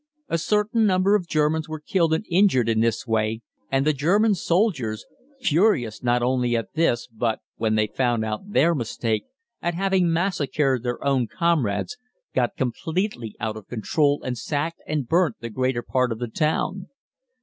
A certain number of Germans were killed and injured in this way, and the German soldiers, furious not only at this but, when they found out their mistake, at having massacred their own comrades, got completely out of control and sacked and burnt the greater part of the town.